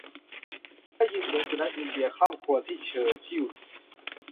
ได้ยินเสียงสุนัขอินเดียคร่ำครวญที่เชอร์ชิลล์